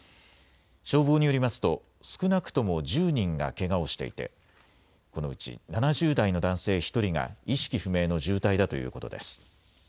消防によりますと少なくとも１０人がけがをしていてこのうち７０代の男性１人が意識不明の重体だということです。